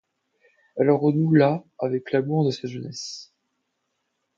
Elle renoue là avec un amour de sa jeunesse.